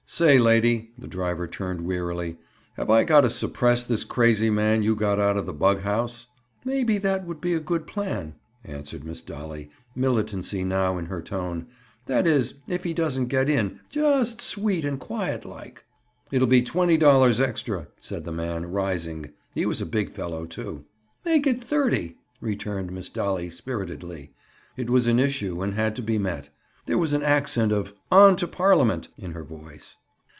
"Say, lady"—the driver turned wearily—"have I got to suppress this crazy man you got out of the bughouse?" "Maybe that would be a good plan," answered Miss Dolly, militancy now in her tone. "That is, if he doesn't get in, just sweet and quiet like." "It'll be twenty dollars extra," said the man, rising. He was a big fellow, too. "Make it thirty," returned Miss Dolly spiritedly. It was an issue and had to be met. There was an accent of "On to Parliament!" in her voice.